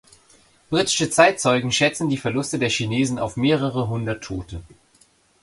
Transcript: Britische Zeitzeugen schätzten die Verluste der Chinesen auf mehrere hundert Tote.